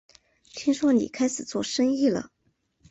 听说你开始做生意了